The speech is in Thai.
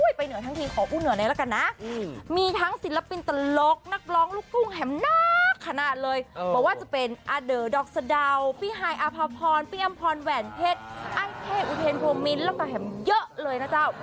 อยู่เยอะเลยนะเจ้า